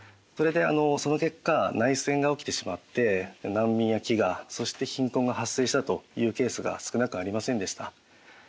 それでその結果内戦が起きてしまって難民や飢餓そして貧困が発生したというケースが少なくありませんでした。